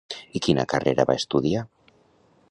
I quina carrera va estudiar?